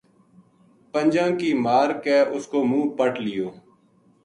پنجاں کی مار کے اس کو منہ پَٹ لیو